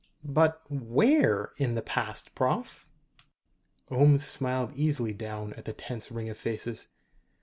"But, where in the past, Prof.?" Ohms smiled easily down at the tense ring of faces.